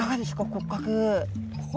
骨格。